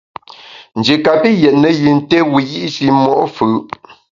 Nji kapi yètne yin té wiyi’shi mo’ fù’.